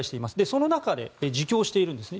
その中で自供しているんですね。